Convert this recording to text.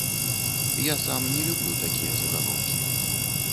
Я сам не люблю такія загалоўкі.